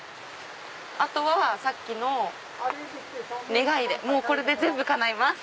あとはさっきの「願」でもうこれで全部かないます。